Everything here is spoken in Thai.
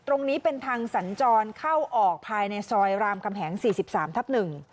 ตรงนี้เป็นทางสัญจรเข้าออกภายในซอยรามคำแหง๔๓ทับ๑